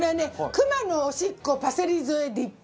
クマのおしっこパセリ添えディップ。